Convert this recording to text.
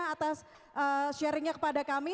atas sharingnya kepada kami